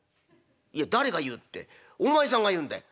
「いや誰が言うってお前さんが言うんだよ」。